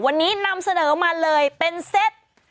วันนี้นำเสนอมาเลยเป็นเซต